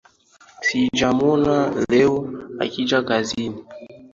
Sijamwona leo akija kazini